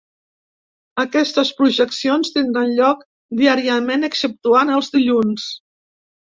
Aquestes projeccions tindran lloc diàriament exceptuant els dilluns.